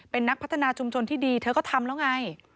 เป็นนักพัฒนาชุมชนที่ดีเธอก็ทำแล้วไง